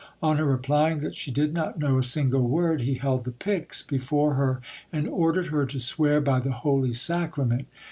On her replying that she did not know a single word, he held the pyx before her and ordered her to swear by the holy sacrament.